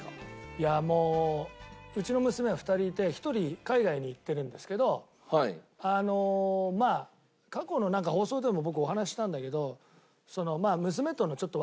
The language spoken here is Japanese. いやもううちの娘は２人いて１人海外に行ってるんですけどあのまあ過去の放送でも僕お話ししたんだけど娘とのちょっと別れがね